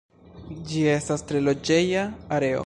Ĝi estas tre loĝeja areo.